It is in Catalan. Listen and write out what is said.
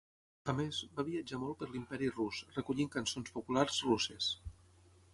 A més, va viatjar molt per l'Imperi Rus, recollint cançons populars russes.